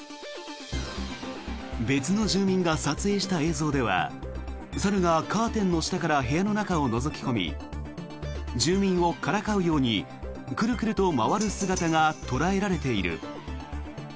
別の住民が撮影した映像では猿がカーテンの下から部屋の中をのぞき込み住民をからかうようにクルクルと回る姿が捉えられている。